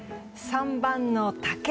３番の竹。